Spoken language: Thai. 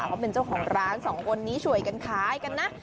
เขาเป็นเจ้าของร้านสองคนนี้ช่วยกันขายกันนะ